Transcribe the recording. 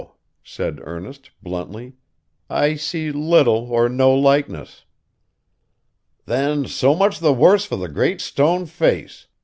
said Ernest, bluntly, 'I see little or no likeness.' 'Then so much the worse for the Great Stone Face!